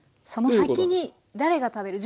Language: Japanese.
その先に誰が食べる。